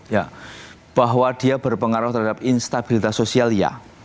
ya bahwa dia berpengaruh terhadap instabilitas sosial ya